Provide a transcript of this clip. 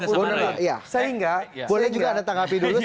boleh juga anda tanggapi dulu